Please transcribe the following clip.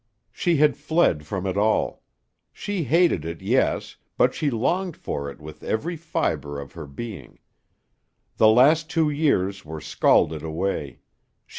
She had fled from it all. She hated it, yes, but she longed for it with every fiber of her being. The last two years were scalded away.